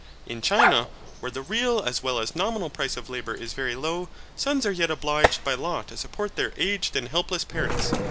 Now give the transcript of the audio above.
In China, where the real as well as nominal price of labour is very low, sons are yet obliged by law to support their aged and helpless parents.